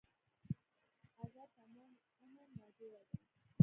اگه تمام عمر ناجوړه دی.